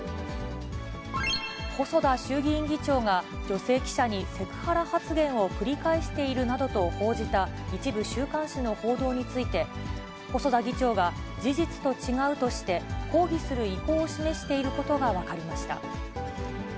細田衆議院議長が、女性記者にセクハラ発言を繰り返しているなどと報じた一部週刊誌の報道について、細田議長が事実と違うとして、抗議する意向を示していることが分かりました。